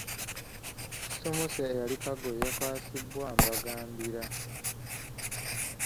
Kisomose eyali Kaggo ye yakwasibwa Mbagambira.